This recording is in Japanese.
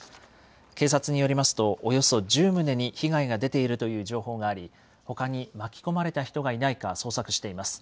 警察によりますと、およそ１０棟に被害が出ているという情報があり、ほかに巻き込まれた人がいないか捜索しています。